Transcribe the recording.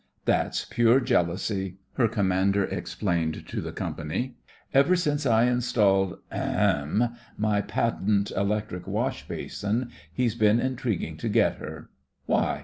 "That's pure jealousy," her com mander explained to the company. "Ever since I installed — ahem! — my patent electric wash basin he's been intriguin' to get her. Why?